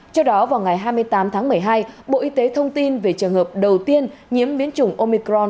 trước đó vào ngày hai mươi tám tháng một mươi hai bộ y tế thông tin về trường hợp đầu tiên nhiễm biến chủng omicron